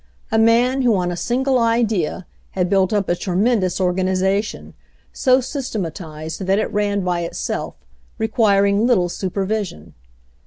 A man who on a single idea J\ had built up a tremendous organization, so sys // ^J^ tematized that it ran by itself, requiring little su " pervision.